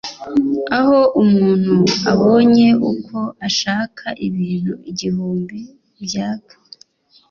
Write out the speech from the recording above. aho umuntu abonye uko ashaka ibintu igihumbi byaka